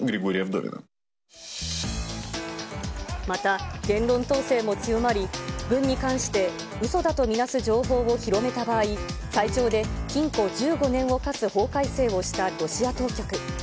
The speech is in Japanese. また言論統制も強まり、軍に関してうそだと見なす情報を広めた場合、最長で禁錮１５年を科す法改正をしたロシア当局。